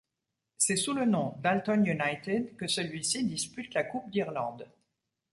C'est sous le nom d'Alton United que celui-ci dispute la Coupe d'Irlande.